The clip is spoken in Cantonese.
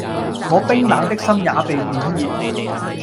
我冰冷的心也被點燃